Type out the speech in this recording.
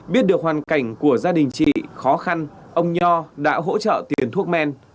biết được hoàn cảnh của gia đình chị khó khăn ông nho đã hỗ trợ tiền thuốc men